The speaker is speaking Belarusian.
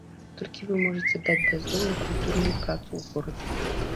Толькі вы можаце даць дазвол на культурную працу ў горадзе.